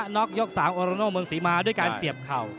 ็อกยก๓โอโรโนเมืองศรีมาด้วยการเสียบเข่า